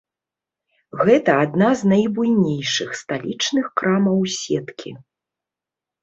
Гэта адна з найбуйнейшых сталічных крамаў сеткі.